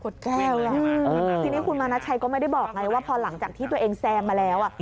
ทีนี้คุณมานาชัยก็ไม่ได้บอกไงว่าพอหลังจากที่ตัวเองแซงมาแล้ว